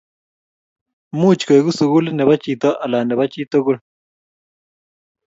moch koeku sukulit nebo chito anan nebo chitokul